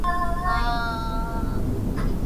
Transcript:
ぁー